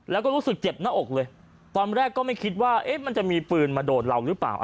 แล้วก็รู้สึกเจ็บหน้าอกเลยตอนแรกก็ไม่คิดว่าเอ๊ะมันจะมีปืนมาโดนเราหรือเปล่า